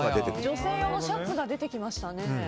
女性用のシャツが出てきましたね。